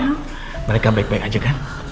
karena mereka baik baik aja kan